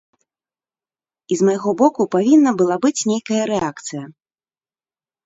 І з майго боку павінна была быць нейкая рэакцыя.